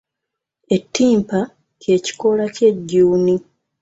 Ettimpa ky'ekikoola ky'ejjuuni.